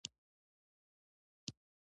تنور د نان پخولو دودیزه وسیله ده